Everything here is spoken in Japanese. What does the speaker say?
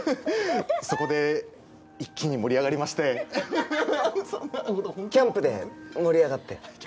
そこで一気に盛り上がりましてキャンプで盛り上がって？